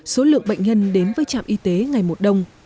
số lượng bệnh nhân đến với trạm y tế ngày một đông